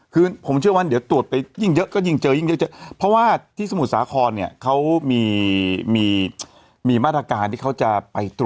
คือต้องฉีดแล้วเป็นพัสสปอร์ตใช่ไหม